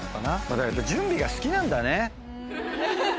だから準備が好きなんだね。